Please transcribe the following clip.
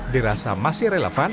dirasa masih relevan